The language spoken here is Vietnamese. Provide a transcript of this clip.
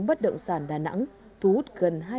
bất động sản đà nẵng thu hút gần